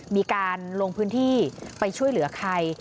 มีการลงพื้นที่ไปช่วยเหลือใคร